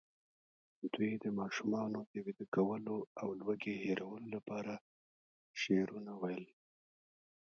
دوی د ماشومانو د ویده کولو او لوږې هېرولو لپاره شعرونه ویل.